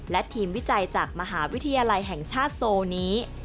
และทีมวิจัยจากมหาวิทยาลัยแห่งชาติโซนี้